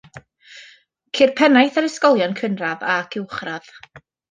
Ceir pennaeth ar ysgolion cynradd ac uwchradd.